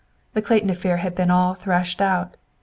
The Clayton affair had been all threshed out!